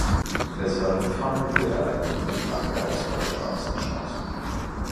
Deshalb fanden die Beerdigungen entlang der Ausfallstraßen statt.